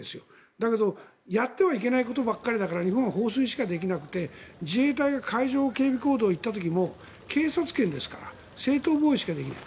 だけど、やってはいけないことばかりだから日本は放水しかできなくて自衛隊が海上警備行動に行った時も警察権ですから正当防衛しかできない。